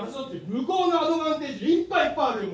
向こうのアドバンテージいっぱいいっぱいあるよ！